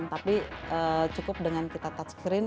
tapi cukup dengan kita touchscreen